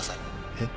えっ。